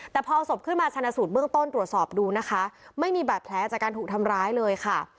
แต่พอศพขึ้นมาชนะสูตรเบื้องต้นตรวจสอบดูนะคะไม่มีบาดแผลจากการถูกทำร้ายเลยค่ะ